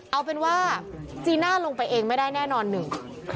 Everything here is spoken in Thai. เอาเป็นว่าจีน่าลงไปเองไม่ได้แน่นอนหนึ่ง